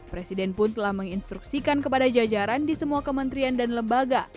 presiden pun telah menginstruksikan kepada jajaran di semua kementerian dan lembaga